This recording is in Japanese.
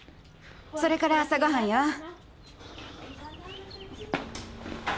それから朝ごはんよ。